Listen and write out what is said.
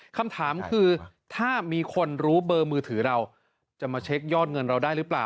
คำถามคือถ้ามีคนรู้เบอร์มือถือเราจะมาเช็คยอดเงินเราได้หรือเปล่า